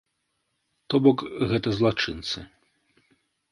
То бок, гэта злачынцы.